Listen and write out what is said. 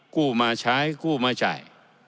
กู้มาใช้กู้มาจ่าย